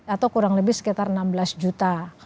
atau kurang lebih sekitar enam belas juta